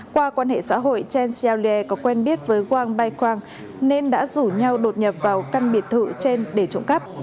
qua quan hệ xã hội chen xiaolie có quen biết với wang baikwang nên đã rủ nhau đột nhập vào căn biệt thự chen để trộm cắp